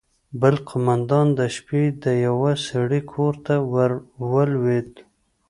بل قومندان د شپې د يوه سړي کور ته ورولوېد.